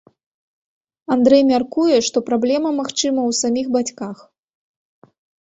Андрэй мяркуе, што праблема, магчыма, у саміх бацьках.